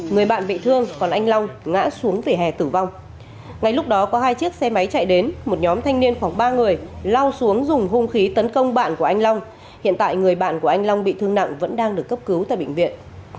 người bạn bị thương còn anh long ngã xuống vỉa hè tử vong ngay lúc đó có hai chiếc xe máy chạy đến một nhóm thanh niên khoảng ba người lao xuống dùng hung khí tấn công bạn của anh long hiện tại người bạn của anh long bị thương nặng vẫn đang được cấp cứu tại bệnh viện